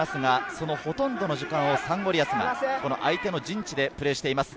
そのほとんどの時間をサンゴリアスが相手の陣地でプレーしています。